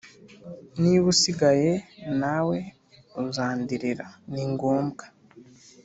Niba usigaye nawe Uzandirira ni ngombwa!